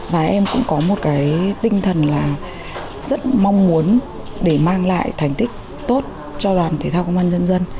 và em cũng có một cái tinh thần là rất mong muốn để mang lại thành tích tốt cho đoàn thể thao công an nhân dân